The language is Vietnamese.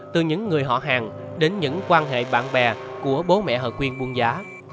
từ những người họ hàng đến những quan hệ bạn bè của bố mẹ hợp quyền buôn giá